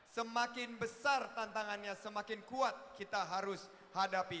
semakin besar tantangannya semakin kuat kita harus hadapi